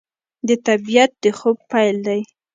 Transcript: د طبیعت د خوب پیل دی